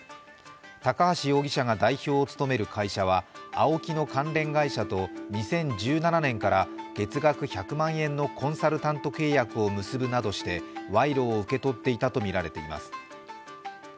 高梁容疑者が代表を務める会社はＡＯＫＩの関連会社と２０１７年から月額１００万円のコンサルタント契約を結ぶなどしてわいろを受け取っていたとみられています。